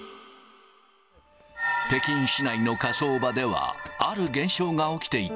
北京市内の火葬場では、ある現象が起きていた。